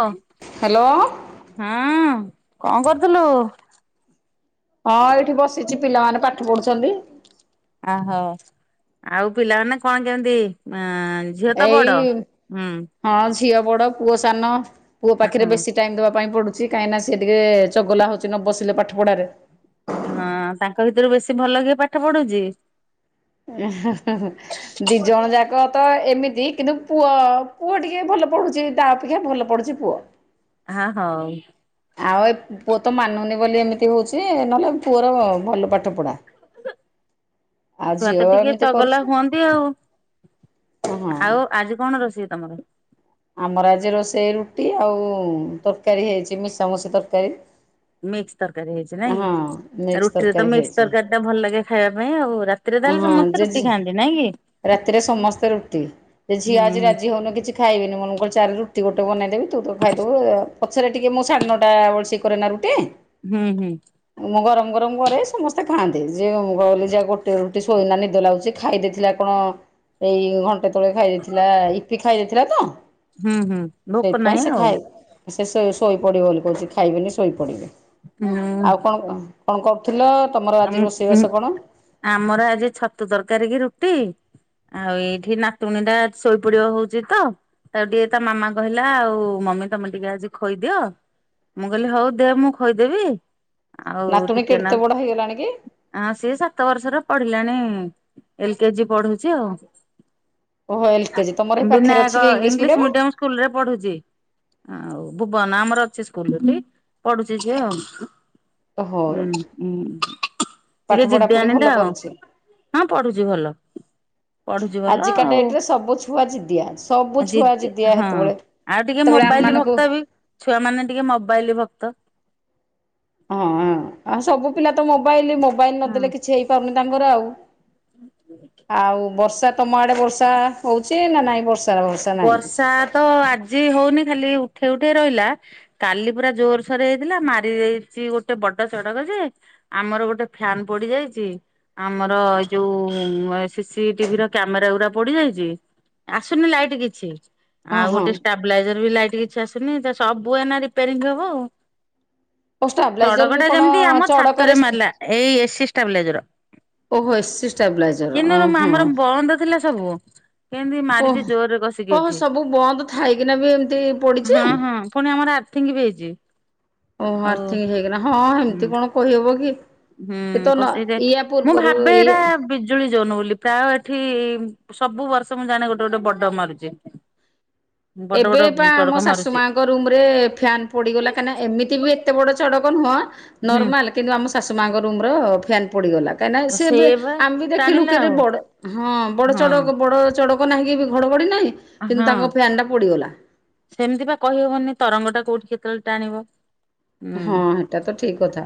ଅ ହ୍ୟାଲୋ ହଁ କଣ କରୁଥିଲୁ? ହଁ ଏଇଠି ବସିଛି ପିଲାମାନେ ପାଠ ପଢୁଛନ୍ତି। ଆହୋ ଆଉ ପିଲାମାନେ କଣ କେମିତି ଆ ଝିଅ ତ ଏଇ ବଡ ହୁଁ। ହଁ ଝିଅ ବଡ ପୁଅ ସାନ ପୁଅ ପାଖରେ ହଁ ବେଶୀ ଟାଇମ ଦେବା ପାଇଁ ପଡୁଛି। ଚି କାହିଁକି ନା ସେ ଟିକେ ଚଗଲା ହଉଛି ନ ବସିଲେ ପାଠ ପଢାରେ। ହଁ ତାଙ୍କ ଭିତରୁ ବେଶୀ ଭଲ କିଏ ପାଠ ପଢୁଛି? ଦି ଜଣ ଯାକ ତ ଏମିତି କିନ୍ତୁ ପୁଅ ପୁଅ ଟିକେ ଭଲ ପଢୁଛି ତା ଅପେକ୍ଷା ଭଲ ପଢୁଛି ପୁଅ। ଆ ହଉ। ଆଉ ଏ ପୁଅ ତ ମାନୁନି ବୋଲି ଏମିତି ହଉଛି ନହେଲେ ପୁଅର ଭଲ। ପାଠ ପଢ଼ା। ଆଉ ଛୁଆ ଝିଅ ତ ଟିକେ ଏମିତି ଚଗଲା କରୁଛି ହୁଅନ୍ତି ଆଉ। ହଁ ଆଉ ଆଜି କଣ ରୋଷେଇ ତମର? ଆମର ଆଜି ରୋଷେଇ ରୁଟି ଆଉ ତରକାରୀ ହେଇଛି ମିଶାମୁଶି ତରକାରୀ। ମିକ୍ସ ତରକାରୀ ହେଇଛି ନାଇଁ ହଁ କି ମିକ୍ସ ରୁଟିରେ ତ ତରକାରୀ ମିକ୍ସ ହେଇଛି ତରକାରୀ ଟା ଭଲ ଲାଗେ ଖାଇବା ପାଇଁ ଆଉ। ରାତିରେ ତାହେଲେ ହଁ ସମସ୍ତେ ରୁଟି ଜେଜେ ଖାଆନ୍ତି ନାଇଁ କି? ରାତିରେ ସମସ୍ତେ ରୁଟି ଯେ ହୁଁ ଝିଅ ଆଜି ରାଜି ହଉନି କିଛି ଖାଇବିନି ମୁଁ କହିଲି ଚାଲେ ରୁ ଟି ଗୋଟେ ବନେଇ ଦେବି ତୁ ତୋର ଖାଇଦବୁ ଆ ପଛରେ ଟିକେ ମୁଁ ସାଢ଼େ ନଅଟା [unintelligible] କରେନା ରୁଟି। ହୁଁ ହୁଁ। ମୁଁ ଗରମ ଗରମ କରେ ସମସ୍ତେ ଖାଆନ୍ତି ଯିଏ ମୁଁ କହିଲି ଯା ଗୋଟିଏ ରୁଟି ସୋଇନା ନିଦ ଲାଗୁଛି ଖାଇ ଦେଇଥିଲା। କଣ ଏଇ ଘଣ୍ଟେ ତଳେ ଖାଇ ଦେଇଥିଲା ଇପି ଖାଇ ଦେଇଥିଲା ତ। ହୁଁ ହୁଁ ଭୋକ ସେଇଥିପାଇଁ ନାହିଁ ସେ ଆଉ। ଖାଇ ସେ ଶୋ ଶୋ ଶୋଇପଡ଼ିବ ବୋଲି କହୁଛି ଖାଇବିନି ଶୋଇପଡ଼ିବି ଆଉ କଣ କହ? କଣ କରୁଥିଲ? ତମର ଆଜି ରୋଷେଇବାସ କଣ? ଆ-ଆମର ଆଜି ଛତୁ ତରକାରୀ କି ରୁଟି। ଆଉ ଏଇଠି ନାତୁଣୀ ଟା ଶୋଇପଡିବ ହଉଛି ତ ତାକୁ ଟିକେ ତା ମାମା କହିଲା ଆଉ ମମି ତମେ ଟିକେ ଆଜି ଖୋଇଦିଅ। ମୁଁ କହିଲି ହଉ ଦେ ମୁଁ ଖୋଇଦେବି, ଆଉ ନାତୁଣୀ ଟିକେ କେତେ ନା ବଡ ହେଇଗଲାଣି କି? ଆ ସେ ସାତ ବର୍ଷର ପ ପଢିଲାଣି ଏଲ କେ ଜି ପଢୁଛି ଆଉ। ଓହୋ ଏଲ କେଜି ତମର ଏଇ ପାଖରେ ଅଛି ବିନାୟକ କି ଇଂଲିଶ ମିଡିୟମ ସ୍କୁଲରେ ପଢୁଛି। ଆଉ ଭୁବନ ଆମର ଅଛି ସ୍କୁଲ ଏଠି ପଢୁଛି ଝିଅ ଆଉ। ଓହୋ ହୁଁ ହୁଁ। ପାଠ ଟିକେ ପଢା ପଢି ଜିଦିଆଣି ଭଲ ଟା ଆଉ କରୁଛି। ହଁ ପଢୁଛି ଭଲ। ପଢୁଛି ଭଲ ଆଜିକା ଆଉ ଡେଟ ରେ ସବୁ ଛୁଆ ଜିଦିଆ ସବୁ ଛୁଆ ଜିଦି ଜିଦିଆ ହଁ ହେତେବେଳେ। ଆଉ ଟିକେ ମୁଁ ସେତେବେଳେ ଆମ ମୋବାଇଲ ମାନଙ୍କୁ ଭକ୍ତ ବି ଛୁଆ ମାନେ ଟିକେ ମୋବାଇଲ ଭକ୍ତ। ହଁ, ଆଉ ସବୁ ପିଲା ତ ମୋବାଇଲ ମୋବାଇଲ ହଁ ନଦେଲେ କିଛି ହେଇପାରୁନି ତାଙ୍କର ଆଉ। ଆଉ ବର୍ଷା ତମ ଆଡେ ବର୍ଷା ହଉଛି ନା ନାଇଁ ବର୍ଷା ନାହିଁ କିଛି? ବର୍ଷା ତ ଆଜି ହଉନି ଖାଲି ଉଠେଇ ଉଠେଇ ରହିଲା, କାଲି ପୁରା ଜୋରସୋର ହେଇଥିଲା ମାରି ଦେଇଚି ଗୋଟେ ବଡ ଚଡକ ଯେ ଆମର ଗୋଟେ ଫ୍ୟାନ ପୋଡି ଯାଇଛି ଆମର ଯୋଉ ସି ସି ଟି ଭି ର କ୍ୟାମେରା ଗୁରା ପୋଡି ଯାଇଛି ଆସୁନି ଲାଇ କିଛି ହଁ ଆଉ ହଁ ଗୋଟେ ଷ୍ଟାବ୍ଲାଇଜର ବି କିଛି ଆସୁନି ତ ସବୁ ଏନା ରିପାରିଙ୍ଗ ହବ ଆଉ। ଓ ଷ୍ଟାବ୍ଲାଇଜର ଚଡକ ବି ଟା କଣ ଯେମିତି ଆମ ଚଡକରେ ଛାତରେ ମାରିଲା ଏଇ ଏ ସି ଷ୍ଟାବ୍ଲାଇଜର। ଓହୋ ଏସି ଷ୍ଟାବ୍ଲାଇଜର କିନ୍ତୁ [inaudible] ଆମର ଓହୋ। ବନ୍ଦ ଥିଲା ସବୁ କେମିତି ମାରି ଓହ [inaudible] ଜୋରରେ କଷିକି ଓହୋ ଏଠି, ସବୁ ବନ୍ଦ ଥାଇକିନା ବି ଏମିତି ପଡିଛି ହୁଁ-ହୁଁ ପୁଣି ଆମର ଆର୍ଥିଙ୍ଗ୍ ବି ହେଇଛି। ଓହୋଃ ଆଉ ଆର୍ଥିଙ୍ଗ ହେଇକିନା, ହଁ ହୁଁ ହେମିତି କଣ କହି ହବକି। ହୁଁ, କଷିକିଯେ ମୁଁ ଭାବେ ଏ ଏଇଟା ବିଜୁଳି ଜୋନ୍ ବୋ ଲି, ପ୍ରାୟ ଏଠି ସବୁ ବର୍ଷ ମୁଁ ଜାଣେ ଗୋଟେ ଗୋଟେ ବଡ ମାରୁଚି। ଏବେ ପା ଆମ ଶାଶୁମାଆଙ୍କ ରୁମରେ ଫ୍ୟାନ୍ ପୋଡିଗଲା କାଇଁନା ଏମତି ବି ଏତେ ବଡ ଚଡକ ନୁହଁ, ହୁଁ ନର୍ମାଲ କିନ୍ତୁ ଆମ ଶାଶୁମାଆଙ୍କ ରୁମର ଫ୍ୟାନ ପୋଡିଗଲା। କାହିଁକିନା ସେ ସେବି ବା ଆମେ ବି ଦେଖିଲୁ ଟାଣିଲା ଆଉ କେଡେବଡ ହଁ ବଡ ହଁ ଚଡକ ବଡ ଚଡ଼କ [inaudible] ନାହିଁ କି ଘଡଘଡି ନାହିଁ କିନ୍ତୁ ହଁ ତାଙ୍କ ଫ୍ୟାନଟା ସେମିତି ପା କହିହବନି ତରଙ୍ଗଟା କୋଉଠି କେତେବେଳେ ଟାଣିବ। ହୁଁ ହଁ, ହେଟା ତ ଠିକ୍ କଥା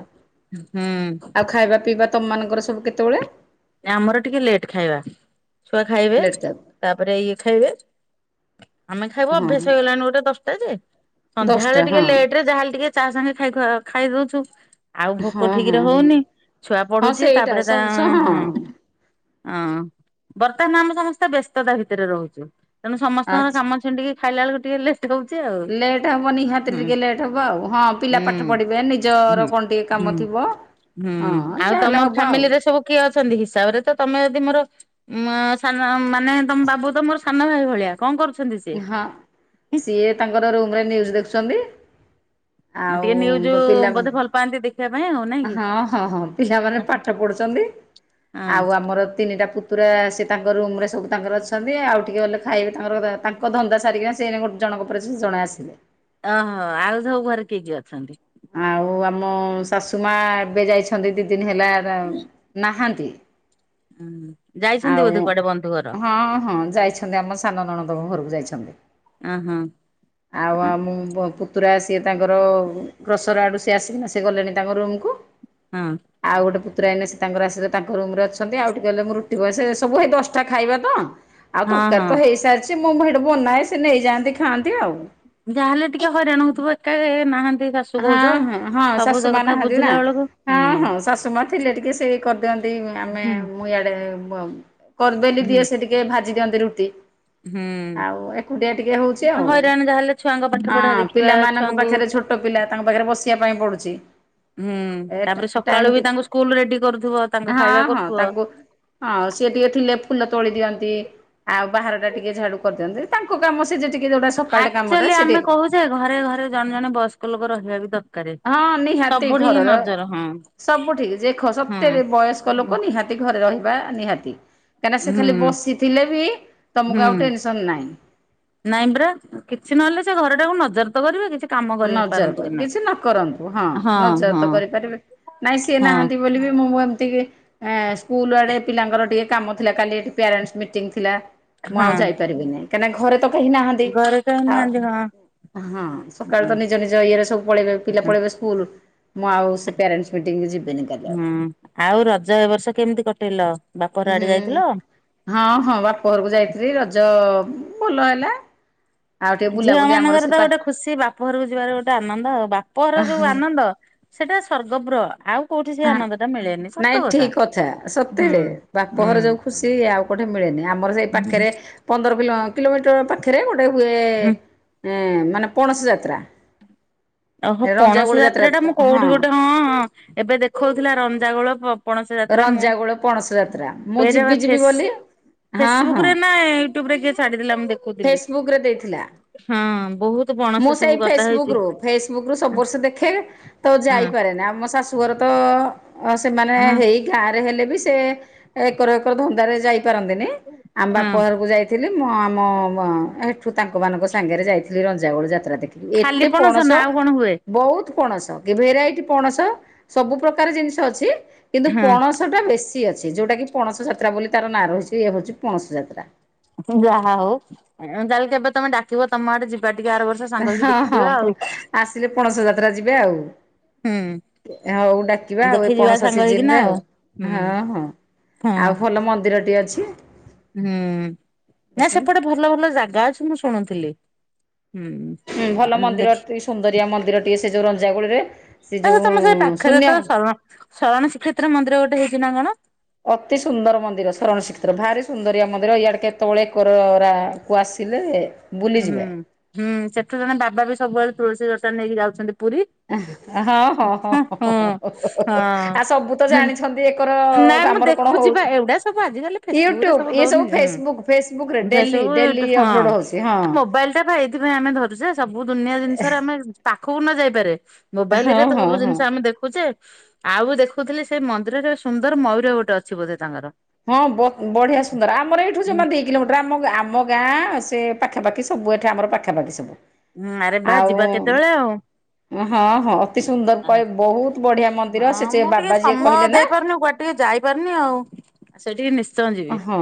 ହୁଁ ଆଉ ଖାଇବା ପିଇବା ତମମାନଙ୍କର ସବୁ କେତେବେଳେ? ଆମର ଟିକେ ଲେଟ୍ ଖାଇବା, ଛୁଆ ଖାଇବେ ଲେଟ୍ ଖାଇବା? ତାପରେ ଇଏ ଖାଇବେ ଆମେ ଖାଇବା ହଁ ଅଭ୍ୟାସ ହଁ ହେଇଗଲାଣି ନଅଟା ଦଶଟା ଯେ ସନ୍ଧ୍ୟାବେଳେ ଦଶଟା ଟିକେ ହଁ ଲେଟ୍ ରେ ଯାହାହେଲେ ଟିକେ ଚା ସାଙ୍ଗେ ଖାଇ ଖୁଆ ଖାଇଦଉଛୁ। ଆଉ ଭୋକ ହଁ ହଁ ଠିକରେ ହଁ ହଉନି, ଛୁଆ ହଁ ପଢୁଛି ସେଇଟା ତାପରେ ତା, ସସ ହଁ। ହଁ ବର୍ତ୍ତମାନ ଆମେ ସମସ୍ତେ ବ୍ୟସ୍ତତା ଭିତରେ ରହୁଛୁ। ତେଣୁ ସମସ୍ତଙ୍କର ଆଚ୍ଛା କାମ ଛିଣ୍ଡିକି ଖାଇଲା ବେଳକୁ ଟିକେ ଲେ ଲେଟ୍ ହବ ନିହାତି ଟିକେ ଲେଟ୍ ହବ ଆଉ ହଁ ପିଲା ପାଠ ହୁଁ ପଢିବେ ହୁଁ। ନିଜର କଣ ଟିକେ ହୁଁ କାମ ମଥିବ। ହୁଁ, ଆଉ ତମ ଫ୍ୟାମିଲିରେ ସବୁ କିଏ ଅଛ୍ କେମିତି, ହିସାବରେ ତ ତମେ ବି ମୋର ମା ସାନ ମାନେ ତମ ବାବୁ ତ ମୋର ସାନଭାଇ ଭଳିଆ କଣ କରୁଛ? ହଁ, ସିଏ ତାଙ୍କର ରୁମରେ ନ୍ୟୁଜ୍ ଦେଖୁଛନ୍ତି। ଟିକେ ନ୍ୟୁଜ ଆଉ ପିଲାମାନେ, ବୋଧେ ଭଲ ପାଆନ୍ତି ଦେଖିବା ପାଇଁ ଆଉ ନାଇଁ କି? ହଁ-ହଁ-ହଁ ପିଲାମାନେ ପାଠ ପଢୁଛନ୍ତି। [inaudible] ହଁ ଆଉ ଆମର ତିନିଟା ପୁ ପୁରା ସେ ତାଙ୍କ ରୁମରେ ସବୁ ତାଙ୍କର ଅଛନ୍ତି, ଆଉ ଟିକିଏ ଗଲେ ଖାଇବେ ତାଙ୍କର ପା ତାଙ୍କ୍ ତାଙ୍କ ଧନ୍ଦା ସାରିକିନା ସେ ଜଣଙ୍କ ପରେ ସେ ଜଣେ ଆସିବେ। ଅହଅ ଆଉ ସବୁ ଘରେ କିଏ କିଏ ଅଛନ୍ତି? ଆଉ ଆମ ଶାଶୁମାଆ ଏବେ ଯାଇଛନ୍ତି ଦି ଦିନ ହେଲା ନାହାନ୍ତି। ହୁଁ ଯାଇଛନ୍ତି ଆଉ ବୋଧେ କୁଆଡେ ବନ୍ଧୁ ଘର ହଁ ହଁ ଯାଇଛନ୍ତି ଆମ ସାନ ନଣନ୍ଦଙ୍କ ଘରକୁ ଯାଇ ଛନ୍ତି, ଅ ହଁ ଆଉ ହଁ ଆମ ପୁତୁରା ସିଏ ତାଙ୍କର ଗ୍ରସର ଆଡ଼ୁ ସେ ଆସିକିନା ସେ ଗଲେଣି ତାଙ୍କ ରୁମ୍ କୁ ଆଉ ଗୋଟେ ପୁ ପୁତୁରା ଏଇନେ ସେ ତାଙ୍କର ଆସିବେ ତାଙ୍କ ରୁମ୍ ରେ ଅଛନ୍ତି ଆଉ ଟିକେ ହେଲେ ମୁଁ ରୁଟି କରିସାରିଲେ ସେ ସବୁ ହେଇ ଦଶଟା ଖାଇବା ତ। ଆଉ ହଁ ତରକାରୀ ହଁ ତ ହେଇସାରିଛି ମୁଁ ବା ହେଇଟି ବନାଏ ସେ ନେଇଯାଆନ୍ତି ଖାଆନ୍ତି ଆଉ। ଯାହାହେଲେ ଟିକେ ହଇରାଣ ହଉଥିବ ଏକା ଏ ନାହା ହଁ-ହଁ-ହଁ ଶାଶୁ ମାଆ ନାହାନ୍ତି ନା, ବୁଝିଲା ବେଳକୁ ହୁଁ ହଁ-ହଁ ଶାଶୁମାଆ ଥିଲେ ଟିକେ ସେ କରିଦିଅନ୍ତି। [inaudible] ଆମେ ହୁଁ ମୁଁ ଇଆଡେ ବି କରି ବେଲି ହୁଁ ଦିଏ ସେ ଟିକେ ଭାଜି ଦିଅନ୍ତି ରୁଟି। ହୁଁ ଆଉ ଏକୁଟିଆ ଟିକେ ହଉଛି ଆଉ, ହଇରାଣ ଯାହାହେଲେ ଛୁଆଙ୍କ ପାଠ ପଢା ହଁ ଦେଖିବା ପିଲାମାନଙ୍କ ଛୁଆଙ୍କୁ ପାଖରେ ଛୋଟ ଛୋଟ ପିଲା ତାଙ୍କ ପାଖରେ ବସିବା ପାଇଁ ପଡୁଛି। ହୁଁ ଏ ତାପରେ ଟାଇମ୍ ସକାଳୁ ଟି ବି ତାଙ୍କୁ ସ୍କୁଲ ରେଡି କରୁଥିବ ତାଙ୍କ ହଁ ଖାଇବା ହଁ କରୁଥିବ। ତାଙ୍କୁ ହଁ ସିଏ ଟିକେ ଥିଲେ ଫୁଲ ତୋଳି ଦିଅନ୍ତି ଆଉ ବାହାରଟା ଟିକେ ଝାଡୁ କରିଦିଅନ୍ତି ତାଙ୍କ କାମ ସେ ଯେଟିକି ଆକ୍ଚୁଆଲି ଆମେ କହୁଛେ ଘରେ ଘରେ ଜଣେ ଜଣେ ବୟସ୍କ ଲୋକ ରହିବା ବି ଦର୍ ହଁ ନିହାତି ଘରର। ହଁ ସବୁ ଠିକ୍ ଯେଖ ସତେରେ ବୟସ୍କ ହଁ। ଲୋକ ନିହାତି ଘରେ ରହିବା ନିହାତି। କାହିଁକିନା ସେ ଖାଲି ହୁଁ ବସିଥିଲେ ବି ହୁଁ ତମକୁ ଆଉ ଟେନସନ୍ ନାହିଁ। ନାଇଁ ପରା କିଛି ନହେଲେ ସେ ଘରଟାକୁ ନଜର ତ କରିବେ କିଛି। କାମ କରି ପାରନ୍ତୁ ନଜର କି [inaudible] ନାହିଁ। କିଛି ନ କରନ୍ତୁ ହଁ ନଜର ତ କରିପାରିବେ। ନାଇଁ ସିଏ ହଁ। ନାହାନ୍ତି ବୋଲି ବି ମୁଁ ବ ଟିକେ ଏଁ ସ୍କୁଲ ଆଡ଼େ ପିଲାଙ୍କର ଟିକେ କାମ ଥିଲା କାଲି ଏଠି ପ୍ୟାରେଣ୍ଟସ୍ ମିଟିଙ୍ଗ୍ ଥିଲା। ମୁଁ ଆଉ ହଁ ଯାଇପାରିବିନି, କାହିଁକିନା? ଘରେ ତ କେହି ନାହାଁନ୍ତି, ଘରେ କେହି ଆଉ ନାହାନ୍ତି ହଁ। ହଁ ସ ସକାଳୁ ତ ନିଜ ହୁଁ ନିଜ ଇଏରେ ସବୁ ପଳେଇବେ, ପିଲା ପଳେଇବେ ସ୍କୁଲ ମୁଁ ଆଉ ସେ ପେରନ୍ଟସ ମିଟିଂ ରେ ଯିବିନି ତାହେଲେ ଆଉ। ହୁଁ ଆଉ ରଜ ଏ ବର୍ଷ କେମିତି କଟେଇଲ ବାପଘର ଆଡେ ହୁଁ, ଯାଇଥିଲ? ହଁ ହଁ ବାପ ଘରକୁ ଯାଇଥିଲି, ରଜ ଭଲ ହେଲା। ଆଉ ଟିକେ ଝିଅ ବୁଲାବୁଲି ଆମର ମାନଙ୍କର ସେ ତ ପା ଗୋଟେ ଖୁସି ବାପ ଘରକୁ ଯିବାର ଗୋଟେ ଆନନ୍ଦ ଆଉ ବାପଘର ଯୋଉ ଆନନ୍ଦ। ସେଇଟା ସର୍ଗପୁର ଆଉ କୋଉଠି ସେ ଆନନ୍ଦ ଟା ମିଳ ନାଇଁ ଠିକ କଥା ସତେରେ, ବାପ ଘର ହୁଁ। ଯୋଉ ଖୁସି ଆଉ କୋଠେ ମିଳେନି, ଆମର ସେଇ ପାଖରେ। ପନ୍ଦର କିଲୋ କିଲୋମିଟର ପାଖରେ, ଗୋଟେ ହୁଏ ହୁଁ ମାନେ ପଣସ ଯାତ୍ରା। ଓହୋ ପଣସ ରଞ୍ଜାଗୋଳ ଯାତ୍ରା ଟା ମୁଁ ହଁ କୋଉଠି ଗୋଟେ, ହଁ, ଏବେ ଦେଖଉଥିଲା ରଞ୍ଜାଗୋଳ ପ ପଣସ ଯାତ୍ରା ମୁଁ, ରଞ୍ଜାଗୋଳ ପଣସ ଯାତ୍ରା ମୁଁ ପେଜ ବା ଯିବି ଯିବି ବୋଲି ଫେଶ ହଁ ହଁ ଫେସବୁକରେ ନା ୟୁଟ୍ୟୁବ ରେ କିଏ ଛାଡିଥିଲା ମୁଁ ଦେଖୁଥିଲି, ଫେସବୁକ୍ ରେ ଦେଇଥିଲା। ହଁ। ବହୁତ ପଣସ ମୁଁ ସବୁ ସେଇ ଗଦା ଫେସବୁକ ହେଇଛି ରୁ, ଫେସ ବୁକ ରୁ ସବୁ ବର୍ଷ ଦେଖେ, ତ ହଁ ଯାଇପାରେ ନା, ଆମ ଶାଶୁଘର ତ ଅ ସେମାନେ ହଁ ହେଇ ଗାଁ ରେ ହେଲେ ବି ସେ ଏକର, ଏକର ଧନ୍ଦାରେ ଯାଇ ପାରନ୍ତିନି, ଆମ୍ ହଁ। ବାପରକୁ ଯାଇଥିଲି। ମୁଁ ଆମ ବ ବ ଏଠୁ ତାଙ୍କ ମାନଙ୍କ ସାଙ୍ଗରେ ଯାଇଥିଲି ର ଯାବଳ [unintelligible] ଯାତ୍ରା ଦେଖିକି ଖାଲି ଏତେ ପଣସ, ନା ଆଉ କଣ ହୁଏ ବହୁତ। ପଣସ, କି ଭେରାଇଟି ପଣସ, ସବୁ ପ୍ରକାର ଜିନିଷ ଅଛି କିନ୍ତୁ ହଁ ପଣସ ଟା ବେଶୀ। ଅଛି, ଯୋଉଟା କି -ପଣସ ଯାତ୍ରା ବୋଲି ତାର ନାଁ ରହିଛି, ଇଏ ହଉଛି ପଣସ ଯାତ୍ରା। ଯାହା ହଉ, ତାହେଲେ କେବେ ତମେ ଡାକିବ ତମ ଆଡେ ଯିବା ଟିକେ ଆର ବର୍ଷ ସାଙ୍ଗ ହେଇକି ହଁ, ହଁ, ଦେଖିଯିବା ଆଉ ପ ଆସିଲେ ପଣସ ଯାତ୍ରା ଯିବେ ଆଉ। ହୁଁ। ହଉ ଡାକିବା ଆଉ, ଏ ଦେଖି ଯିବା ପଣସ ସାଙ୍ଗ ସିଜିନ ହେଇକିନା ରେ ଆଉ, ହୁଁ ହଁ ହଁ। ହଁ ଆଉ ଭଲ ମନ୍ଦିରଟି ଅଛି। ହୁଁ, ନା ସେପଟେ ଭଲ ଭଲ ଜାଗା ଅଛି ମୁଁ ଶୁଣୁଥିଲି। ହଁ ଭଲ ହୁଁ ମନ୍ଦିର ଦେଖି ଟି, ସୁନ୍ଦରିଆ ମନ୍ଦିର ଟିଏ, ସେ ଯୋଉ ରଞ୍ଜାଗୁଳିରେ, ସେ ଯୋଉ ତମ ପାଖରେ ଶୂନ୍ୟ ତ ଶରଣ ଶରଣ ଶ୍ରୀକ୍ଷେତ୍ର ମନ୍ଦିର ଗୋଟେ ହେଇଛି ନା କଣ? ଅତି ସୁନ୍ଦର ମନ୍ଦିର ଶରଣ ଶ୍ରୀକ୍ଷେତ୍ର ଭାରି ସୁନ୍ଦର। ମନ୍ଦିର ଇଆଡେ କେତେବେଳେ କରୋରା କୁ ଆସିଲେ। ହୁଁ, ବୁଲିଯିବେ। ହୁଁ ସେଠୁ ଜଣେ ବାବା ବି ସବୁବେଳେ ତୁଳସୀ ଜଟା ନେଇକି ଯାଉଛନ୍ତି ପୁରୀ। ହଁ, ହଁ, ଆଉ ସବୁ ତ ଜାଣିଛନ୍ତି ଏକର ନାଇ ମୁଁ ଦେ ଆମର କଣ ହଉଛି ଦେଖୁଛିିପା, ଏଗୁଡା ସବୁ ଆଜିିକାଲି ଫେସବୁକ ରେ ୟୁଟ୍ୟୁବ ସବୁ ଇଏ ଦଉନି କି? ହୁଁ, ଫେସବୁକ୍ ଫେସବୁକରେ daily Facebook, you daily tube, upload ହଉଛି ହଁ। ଆ ମୋବାଇଲ ଟା ପା ଏଥିପାଇଁ ଆମେ ଧରୁଛେ ସବୁ ଦୁନିଆ ଜିନିଷରେ ଆମେ ପାଖକୁ ନ ଯାଇପାରେ ମୋବାଇଲ ରେ ହଁ ଯେତେ ହଁ ସବୁ ହଁ। ଜିନିଷ ଆମେ ଦେଖୁଛେ, ଆଉ ଦେଖ କହୁଥିଲି ସେ ମନ୍ଦିରରେ ସୁନ୍ଦର ମୟୂର ଗୋଟେ ଅଛି ବୋଧେ ତାଙ୍କର। ହଁ ବ-ବଢିଆ ସୁନ୍ଦର, ଆମର ଏଇଠୁ ହୁଁ ଜମା ଦି କିଲୋମିଟର, ଆମ ଆମ ଗାଁ ସେ ପାଖାପଖି ସବୁ, ଏଠି ଆମ ପାଖାପାଖି ସବୁ। ହଁ ଆରେ ବା! ଆଉ ଯିବା କେତେବେଳେ ଆଉ। ହଁ ହଁ ଅତି ସୁନ୍ଦର କହ ବହୁତ ବଢ଼ିଆ ମନ୍ଦିର ସେ ହଁ, ଯେ ମୁଁ ଟିକେ ବାବା ଯିଏ ସମୟ କହିଲେ ନା ଦେଇପାରୁନି, କୁଆଡେ ଟିକେ ଯାଇପାରୁନି ଆଉ, ସେଠିକି ନି ହଁ,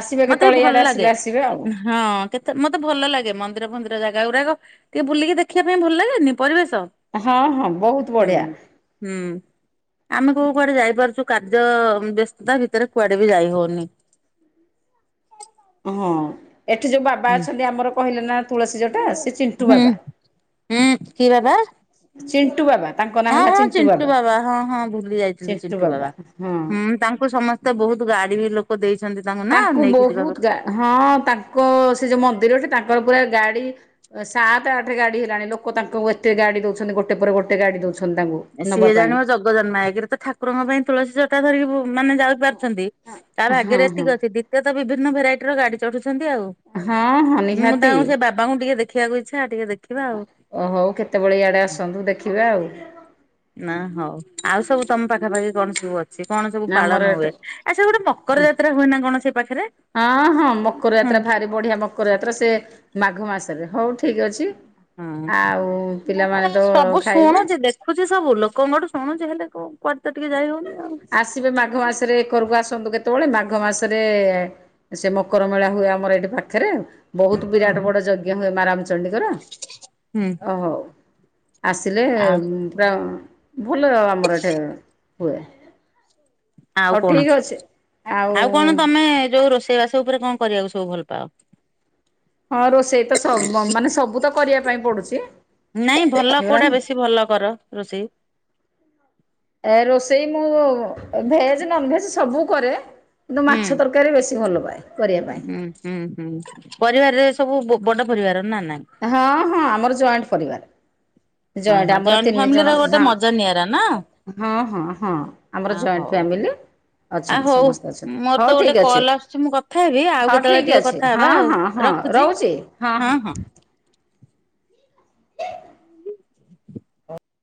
ଆସିବେ ମତେ ବି କେତେବେଳେ ଭଲ ଇଆଡେ ଆସିଲେ, ଲାଗେ। ଆସିବେ। ଆଉ ହଁ, କେତେ ମତେ ଭଲ ଲାଗେ ମନ୍ଦିର ଫନ୍ଦିର ଜାଗା ଗୁ୍ରାକ। ଟିକେ ବୁଲିକି ଦେଖିବା ପାଇଁ ଭଲ ଲାଗେନି? ପରିବେଶ ହଁ ହଁ ବହୁତ। ହୁଁ, ବଢ଼ିଆ ହୁଁ, ଆମେ କୁଆଡେ ଯାଇପାରୁଛୁ, କାର୍ଯ୍ୟ ବ୍ୟସ୍ତତା ଭିତରେ କୁଆଡେ ବି ଯାଇ ହଉନି। ହଁ। ଏଠି ଯୋଉ ବାବା ହୁଁ ଅଛନ୍ତି ଆମର କହିଲେ ନା ତୁଳସୀ ଜଟା, ସେ ଚିଣ୍ଟୁ ହୁଁ ବାବା। ହୁଁ, କି ବାବା? ଚିଣ୍ଟୁ ବାବା। ତାଙ୍କ ନାଁ ହଁ ହେଲା ହଁ ଚିଣ୍ଟୁ ବାବା ହଁ ହଁ ଭୁଲି ଯାଇଥିଲି ଚିଣ୍ଟୁ ବାବା। ହୁଁ ତାଙ୍କୁ ସମସ୍ତେ ବହୁତ ଗାଡି ବି ଲୋ ତାଙ୍କୁ ବହୁତ ଗା ହଁ ତାଙ୍କ ସେ ଯୋଉ ମନ୍ଦିରଟେ ତା ତାଙ୍କର ପୁରା ଗାଡି ସାତ ଆଠ ଗାଡି ହେଲାଣି ଲୋକ ତାଙ୍କୁ ଏତେ ଗାଡି ଦଉଛନ୍ତି ଗୋଟେ ପରେ ଗୋ ସିଏ ଜାଣିବ ଜଗ ଜନ୍ମା ଏକରେ ତ ଠାକୁରଙ୍କ ପାଇଁ ତୁଳସୀ ଜଟା ଧରିକି ବୁ ମାନେ ଯାଇ ପାରୁଛନ୍ତି ତା ହଁ ଭାଗ୍ୟରେ ହଁ ଏତିକି ଅଛି ଦ୍ୱିତୀୟ ତ ବିଭିନ୍ନ ଭେରାଇଟି ର ଗାଡି ଛନ୍ତି ଆଉ ହଁ ହଁ ମୁଁ ନିହାତି ତାଙ୍କୁ ସେ ବାବାଙ୍କୁ ଟିକେ ଦେଖିବାକୁ ଇଚ୍ଛା ଟିକେ ଦେ ଓ ହୋଉ କେତେବେଳେ ଇଆଡେ ଆସନ୍ତୁ ଦେଖିବା ଆଉ ନା ହଉ ଆଉ ସବୁ ତମ ପାଖାପାଖି କଣ ସବୁ ଅ ଛି କଣ ସବୁ ଆମର ପାଳନ ଏଟା ହୁଏ ଆଉ ସେ ଗୋଟେ ମକର ଯାତ୍ରା ହୁଏ ନା କଣ ସେ ପାଖରେ? ହଁ ହଁ ମକର ହଁ ଯାତ୍ରା ଭାରି ବଢିଆ ମକର ଯାତ୍ରା ସେ ମାଘ ମାସରେ ହଉ ଠିକ ଅଛି। ଆଉ ପିଲାମାନେ ହୁଁ ତ ସବୁ ଖାଇବେ ଶୁଣୁଚି ଦେଖୁଚି ସବୁ ଲୋକଙ୍କଠୁ ଶୁଣୁ ହେଲେ କଉ ପଦ ଆସିବେ ମାଘ ମାସରେ କରଗ ଆସ ନ୍ତୁ କେତେବେଳେ ମାଘ ମାସରେ ସେ ମକର ମେଳା ହୁଏ ଆମର ଏଠି ପାଖରେ। ବହୁତ ବିରାଟ ବଡ ଯଜ୍ଞ ହୁଏ ମା ରାମଚଣ୍ଡୀଙ୍କର। ହୁଁ ଓହୋ ଆସିଲେ ଆଉ ପୁରା। ଭଲ ଆମର ଏଠି ହୁଏ। ଆଉ ହଉ କଣ ଠିକ୍ ଅଛି ଆଉ କଣ ତମେ ଯୋଉ ରୋଷେ ଇବାସ ଉପରେ କଣ କରିବାକୁ ସବୁ ଭଲ ପାଅ? ହଁ ରୋଷେଇ ତ ସ ମାନେ ସବୁ ତ କରିବା ପାଇଁ ପଡୁଛି। ନାଇଁ ଭଲ କଉଟା ବେଶୀ ଭଲ କର ରୋଷେଇ? ଏ ରୋଷେଇ ମୁଁ ଭେଜ ନନଭେଜ ସବୁ କରେ। କିନ୍ତୁ ହୁଁ ମାଛ ତରକାରୀ ବେଶୀ ଭଲ ପାଏ। କରିବା ପାଇଁ ହୁଁ ହୁଁ ହୁଁ ପରିବାରରେ ସବୁ ବ-ବଡ ପରିବାର। ନା ନାଇଁ? ହଁ ହଁ ଆମର ଜଏଣ୍ଟ ପରିବାର। ଜଏଣ୍ଟ ଓହୋ ଆମର ତିନି ଜଣ ଫ୍ୟାମିଲିର ଗୋଟେ ହଁ ମଜା ନିଆରା ନା ହଁ ହଁ ହଁ ଆମର ଆ ଜଏଣ୍ଟ ଫା ହଉ ଫାମିଲି। ଆ ଅଛନ୍ତି ହଉ। ସମସ୍ତେ ଅଛନ୍ତି ମୋର ତ ହଉ ଗୋଟେ ଠିକ ଅଛି କଲ୍ ଆସୁଛି ମୁଁ କଥା ହେବି ଆଉ ହଉ କେତେବେଳେ ଠିକ ଟିକେ ଅଛି କଥା ହେବା ହଁ ଆଉ ହଁ ହଁ। ହଁ ରଖୁଛି ରହୁଛି ହଁ ହଁ।